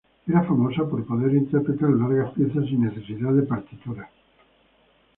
Era famosa por poder interpretar largas piezas sin necesidad de partituras.